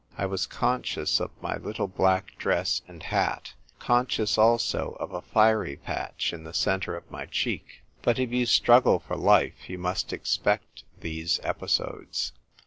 I was conscious of my little black dress and hat ; conscious also of a fiery patch in the centre of my cheek; but if you struggle for life you must ex pect these episodes.